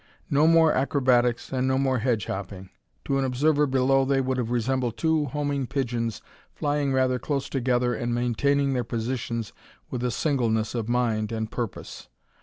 No more acrobatics and no more hedge hopping. To an observer below they would have resembled two homing pigeons flying rather close together and maintaining their positions with a singleness of mind and purpose.